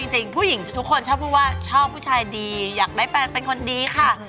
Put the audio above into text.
จริงผู้หญิงทุกคนชอบพูดว่าชอบผู้ชายดีอยากได้แฟนเป็นคนดีค่ะ